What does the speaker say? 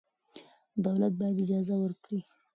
دولت باید اجازه ورکړي.